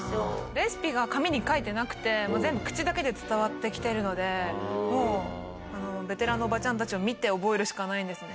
レシピが紙に書いてなくてもう全部口だけで伝わってきてるのでもうベテランのおばちゃんたちを見て覚えるしかないんですね。